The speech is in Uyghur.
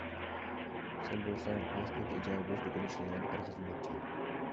سەن بولساڭ پىلاستىنكا ئىجارىگە بېرىش دۇكىنىدا ئىشلەيدىغان قارا خىزمەتچى.